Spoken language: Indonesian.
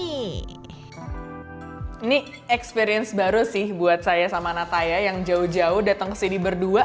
ini experience baru sih buat saya sama nataya yang jauh jauh datang ke sini berdua